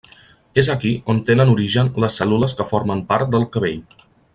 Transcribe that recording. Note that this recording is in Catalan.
És aquí on tenen origen les cèl·lules que formen part del cabell.